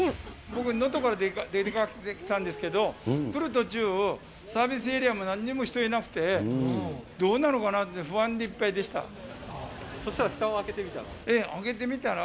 僕、能登から出てきたんですけど、来る途中、サービスエリアもなんにも人いなくて、どうなるのかなって、そしたらふたを開けてみたら？